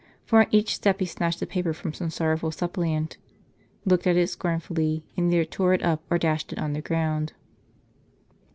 For on each step he snatched a paper from some sorrowful sup IDliant, looked at it scornfully, and either tore it up, or dashed it on the ground.